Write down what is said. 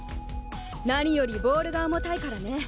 何よりボールが重たいからね。